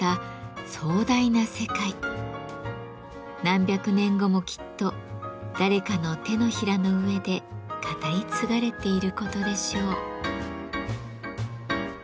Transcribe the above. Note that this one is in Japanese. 何百年後もきっと誰かの手のひらの上で語り継がれていることでしょう。